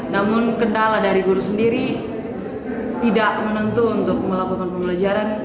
namun kendala dari guru sendiri tidak menentu untuk melakukan pembelajaran